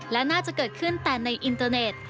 และน่าจะเกิดขึ้นแต่ในอินเตอร์เน็ต